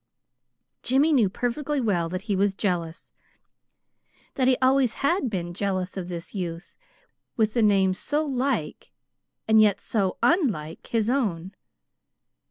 Jimmy knew perfectly well that he was jealous, that he always had been jealous of this youth with the name so like and yet so unlike his own.